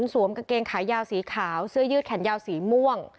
กางเกงขายาวสีขาวเสื้อยืดแขนยาวสีม่วง